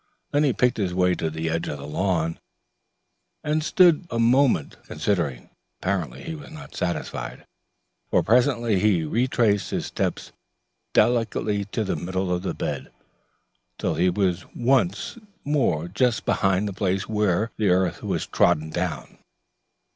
Then he picked his way to the edge of the lawn, and stood a moment considering. Apparently he was not satisfied, for presently he retraced his steps delicately to the middle of the bed, till he was once more just behind the place where the earth was trodden down.